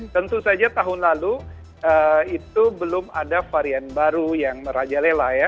tentu saja tahun lalu itu belum ada varian baru yang merajalela ya